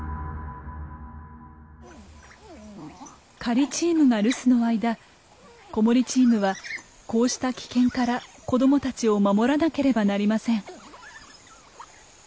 狩りチームが留守の間子守チームはこうした危険から子供たちを守らなければなりません。